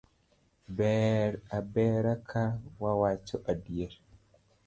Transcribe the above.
Ber a bera ka wawacho adier